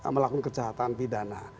melakukan kejahatan pidana